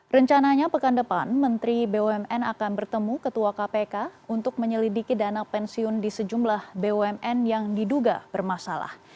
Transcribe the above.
rencananya pekan depan menteri bumn akan bertemu ketua kpk untuk menyelidiki dana pensiun di sejumlah bumn yang diduga bermasalah